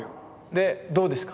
でどうですか？